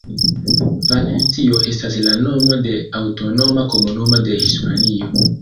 Valencio estas la nomo de aŭtonoma komunumo de Hispanio.